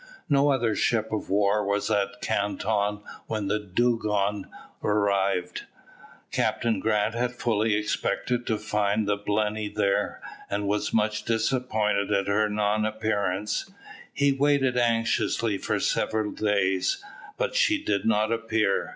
No other ship of war was at Canton when the Dugong arrived. Captain Grant had fully expected to find the Blenny there, and was much disappointed at her non appearance. He waited anxiously for several days, but she did not appear.